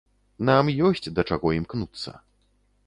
Нам ёсць да чаго імкнуцца.